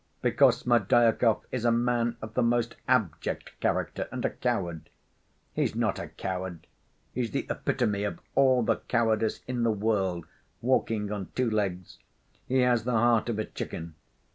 Because Smerdyakov is a man of the most abject character and a coward. He's not a coward, he's the epitome of all the cowardice in the world walking on two legs. He has the heart of a chicken.